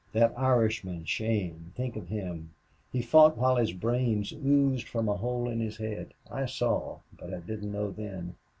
That Irishman, Shane, think of him. He fought while his brains oozed from a hole in his head; I saw, but I didn't know then.